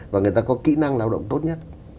và người ta có kỹ năng lao động tốt nhất